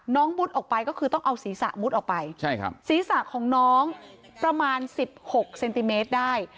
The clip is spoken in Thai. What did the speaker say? น้องมุดออกไปก็คือต้องเอาศีรษะมุดออกไปใช่ครับศีรษะของน้องประมาณสิบหกเซนติเมตรได้